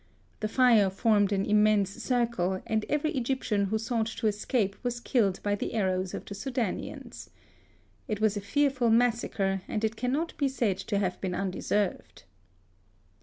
The fire formed an immense circle, and every Egyp tian who sought to escape was killed by the arrows of the Soudanians. It was a fearful massacre, and it cannot be said to have been undeserved.